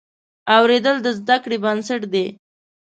اورېدل د زده کړې بنسټ دی.